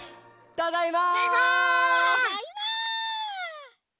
ただいま！